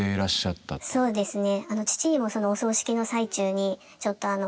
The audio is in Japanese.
そうですね。